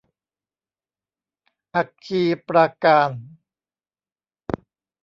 อัคคีปราการ